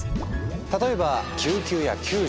例えば救急や救助。